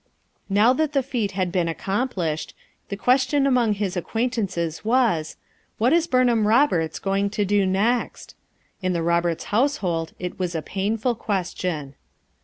Now that the feat had been accomplished, the question among his acquaintances was : What is Burnham Eoberts going to do next? In the Eoherts household it was a painful question.